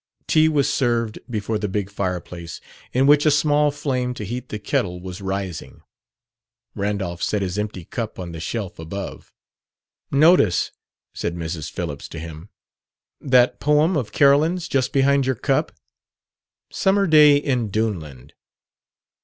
Tea was served before the big fireplace in which a small flame to heat the kettle was rising. Randolph set his empty cup on the shelf above. "Notice," said Mrs. Phillips to him, "that poem of Carolyn's just behind your cup: 'Summer Day in Duneland'."